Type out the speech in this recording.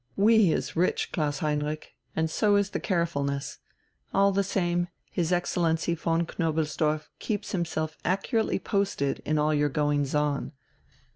"'We' is rich, Klaus Heinrich, and so is the carefulness. All the same, his Excellency von Knobelsdorff keeps himself accurately posted in all your goings on."